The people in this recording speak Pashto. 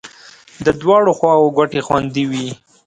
د دواړو خواو ګټې خوندي وې.